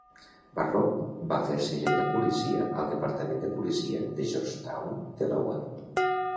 Barlow va fer-se agent de policia al departament de policia de Georgetown, Delaware.